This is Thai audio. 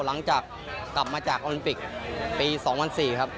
หลังจากกลับมาจากโอลิมปิกปี๒๐๐๔ครับ